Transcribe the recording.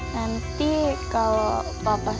nanti kalau bapak